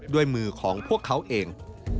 ด้วยมือของพวกเขาเอง